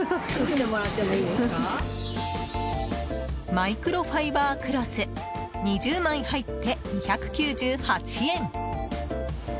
マイクロファイバークロス２０枚入って、２９８円。